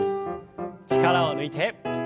力を抜いて。